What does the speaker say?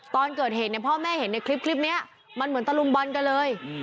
ตอนเกิดเหตุเนี่ยพ่อแม่เห็นในคลิปนี้มันเหมือนตะลุมบอลกันเลย